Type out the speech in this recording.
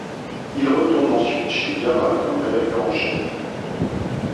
Il retourne ensuite chez Gamma comme rédacteur en chef.